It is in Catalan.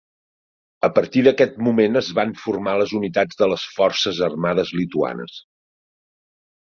A partir d'aquest moment es van formar les unitats de les forces armades lituanes.